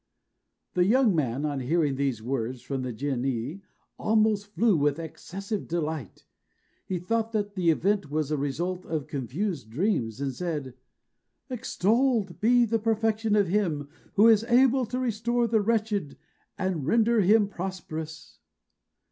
The young man, on hearing these words from the Jinnee, almost flew with excessive delight. He thought that the event was a result of confused dreams, and said, "Extolled be the perfection of him who is able to restore the wretched, and render him prosperous!"